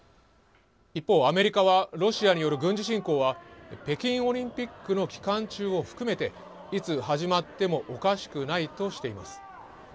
一方、アメリカはロシアによる軍事侵攻は北京オリンピックの期間中を含めていつ始まってもおかしくないとしています。